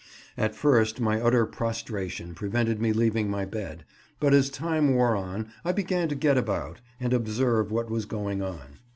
At first my utter prostration prevented me leaving my bed, but as time wore on, I began to get about and observe what was going on.